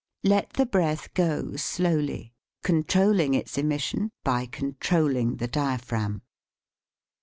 Let the breath go slowly, con trolling its emission by controlling the dia phragm.